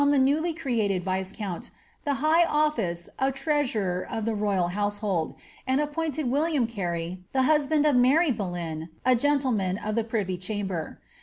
130 on tbe newly created ▼jacoant the high office of treasnrer of the royal household, and appointed William Carey, the husband of Mary Boleyn, a gentleman of the privy chamber.